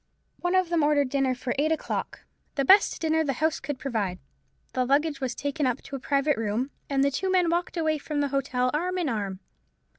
One of them ordered dinner for eight o'clock, the best dinner the house could provide. The luggage was taken up to a private room, and the two men walked away from the hotel arm in arm.